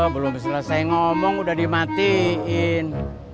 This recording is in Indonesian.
belum selesai ngomong udah dimatiin